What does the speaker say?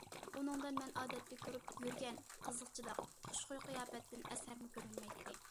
ئۇنىڭدا مەن ئادەتتە كۆرۈپ يۈرگەن قىزىقچىلىق، خۇشخۇي قىياپەتتىن ئەسەرمۇ كۆرۈنمەيتتى.